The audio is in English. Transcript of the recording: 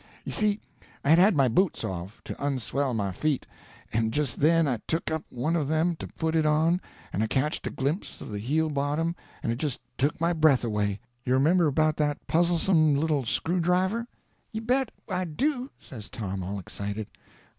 You see, I had had my boots off, to unswell my feet, and just then I took up one of them to put it on, and I catched a glimpse of the heel bottom, and it just took my breath away. You remember about that puzzlesome little screwdriver?" "You bet I do," says Tom, all excited.